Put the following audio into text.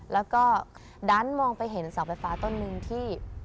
แล้วก็ดันมองไปเห็นเสาไฟฟ้าต้นนึงที่